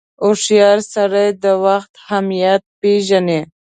• هوښیار سړی د وخت اهمیت پیژني.